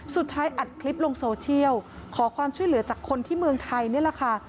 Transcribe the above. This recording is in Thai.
สุดท้ายอัดคลิปลงโซเชียลขอความช่วยเหลือจากคนที่เมืองไทยนี่แหละค่ะ